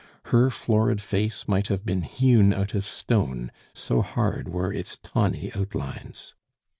Her florid face might have been hewn out of stone, so hard were its tawny outlines.